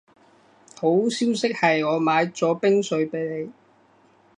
好消息係我買咗冰水畀你